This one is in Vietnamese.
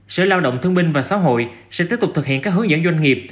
sở lao động thương minh và xã hội sẽ tiếp tục thực hiện các hướng dẫn doanh nghiệp